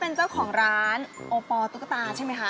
พี่อาร์ดเป็นเจ้าของร้านโอปอล์ตุ๊กตาใช่ไหมคะ